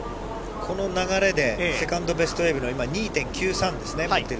この流れでセカンドベストウェーブが２．９３ですね。